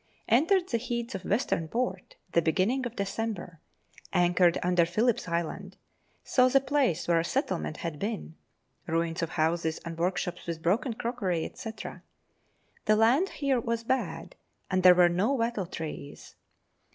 Entered the Heads of Western Port the beginning of December; anchored under Phillip's Island; saw the place where a settlement had been; ruins of houses and workshops, with broken crockery, &c.; the land here was bad, and there were no wattle trees.